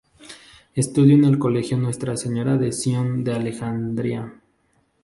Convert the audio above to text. Estudió en el Colegio Nuestra Señora de Sion de Alejandría.